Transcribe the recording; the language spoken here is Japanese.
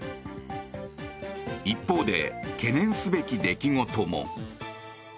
一方で懸念すべき出来事も。